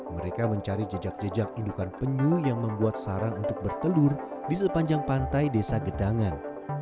mereka mencari jejak jejak indukan penyu yang membuat sarang untuk bertelur di sepanjang pantai desa gedangan